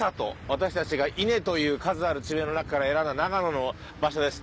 私たちが「稲」という数ある地名の中から選んだ長野の場所です。